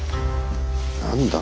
何だ？